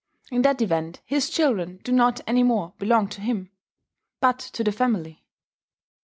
In that event his children do not any more belong to him. but to the family.